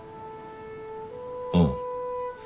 うん。